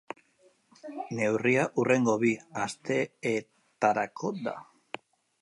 Neurria hurrengo bi asteetarako da.